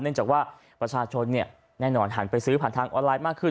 จากว่าประชาชนแน่นอนหันไปซื้อผ่านทางออนไลน์มากขึ้น